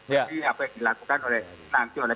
jadi apa yang dilakukan nanti oleh